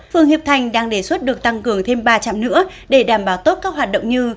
phường hiệp thành đang đề xuất được tăng cường thêm ba trạm nữa để đảm bảo tốt các hoạt động như